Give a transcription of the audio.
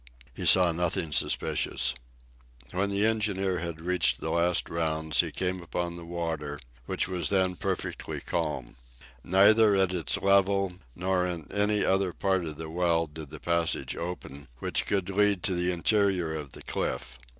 He saw nothing suspicious. When the engineer had reached the last rounds he came upon the water, which was then perfectly calm. Neither at its level nor in any other part of the well, did any passage open, which could lead to the interior of the cliff.